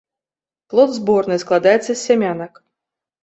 Плод зборны, складаецца з сямянак.